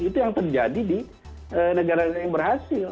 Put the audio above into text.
itu yang terjadi di negara negara yang berhasil